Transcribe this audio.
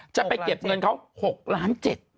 จะไปเก็บเงินเขา๖ล้าน๗